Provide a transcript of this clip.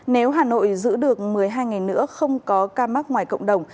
nếu hà nội giữ được một mươi hai ngày nữa không có ca mắc ngoài cộng đồng